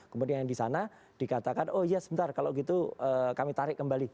kemudian yang di sana dikatakan oh iya sebentar kalau gitu kami tarik kembali